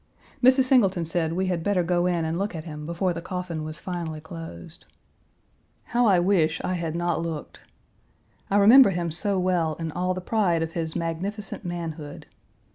Mrs. Singleton said we had better go in and look at him before the coffin was finally closed. How I wish I had not looked. I remember him so well in all the pride of his magnificent manhood.